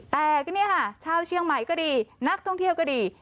แต่ก็เนี่ยค่ะชาวเชียงใหม่ก็ดีนักท่องเที่ยวก็ดี